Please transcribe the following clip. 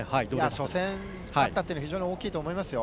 初戦、勝ったというのは非常に大きかったと思いますよ。